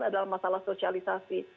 dan ini adalah masalah sosialisasi